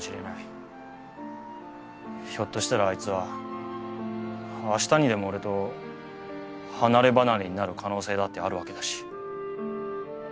ひょっとしたらあいつは明日にでも俺と離ればなれになる可能性だってあるわけだし。